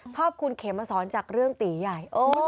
ชอบคุณเข็มอเซินจากเรื่องตีหย่าย